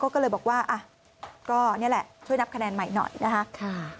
ก็เลยบอกว่าก็นี่แหละช่วยนับคะแนนใหม่หน่อยนะคะ